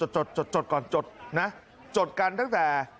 จดก่อนจดนะจดกันตั้งแต่